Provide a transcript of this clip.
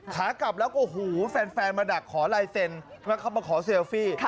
ขากลับแล้วโอ้โหแฟนมาดักขอไลน์เซ็นต์มาขอเซลฟี่